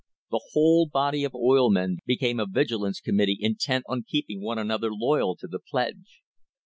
The whole body of oil men became a vigilance committee intent on keep ing one another loyal to the pledge.